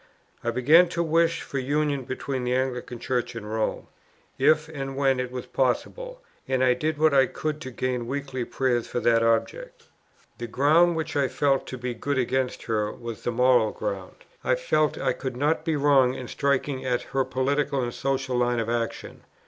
I began to wish for union between the Anglican Church and Rome, if, and when, it was possible; and I did what I could to gain weekly prayers for that object. The ground which I felt to be good against her was the moral ground: I felt I could not be wrong in striking at her political and social line of action.